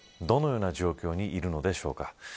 どのような状況にいるのでしょうか。